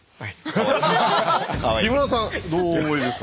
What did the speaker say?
木村さんどうお思いですか？